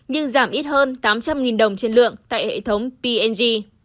nhưng giảm ít hơn tám trăm linh đồng trên lượng tại hệ thống p g